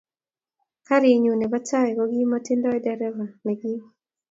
Karit nyun nebo tai kokimatindoi tereva ne kim